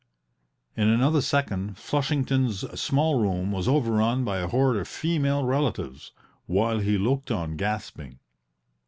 In another second Flushington's small room was overrun by a horde of female relatives, while he looked on gasping.